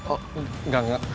oh enggak enggak